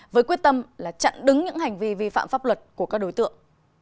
với quyết tâm là chặn đứng những hành vi vi phạm pháp luật của các đối tượng